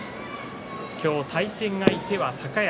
今日対戦相手は高安。